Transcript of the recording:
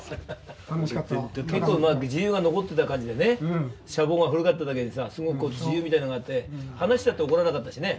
結構自由が残ってた感じでね舎房が古かっただけでさすごく自由みたいなのがあって話したって怒らなかったしね。